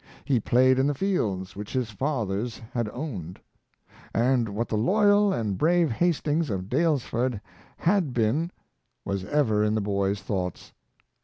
He played in the fields which his fathers had owned; and what the loyal and brave Hastings of Daylesford had been was ever in the boy's thoughts.